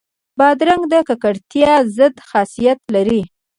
بادرنګ د ککړتیا ضد خاصیت لري.